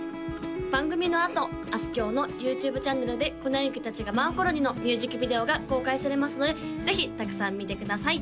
番組のあとあすきょうのＹｏｕＴｕｂｅチャンネルで「粉雪たちが舞う頃に」のミュージックビデオが公開されますのでぜひたくさん見てください